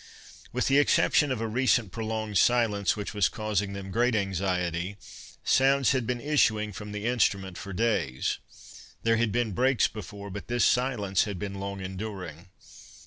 With the exception of a recent prolonged silence, which was causing them great anxiety, sounds had been issuing from the instrument for days. There had been breaks before, but this silence had been long enduring.